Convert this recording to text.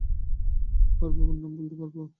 ওর বাবার নাম বলতে পারবো?